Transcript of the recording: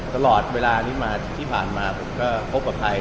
ตลอดเวลานี้มาที่ผ่านมาผมก็คบกับใคร